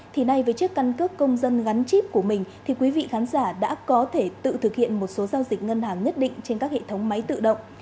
thì nay với chiếc căn cước công dân gắn chip của mình thì quý vị khán giả đã có thể tự thực hiện một số giao dịch ngân hàng nhất định trên các hệ thống máy tự động